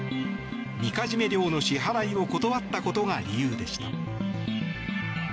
みかじめ料の支払いを断ったことが理由でした。